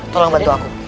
tolong bantu aku